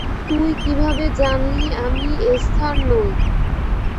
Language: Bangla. তুই কীভাবে জানলি আমি এস্থার নই?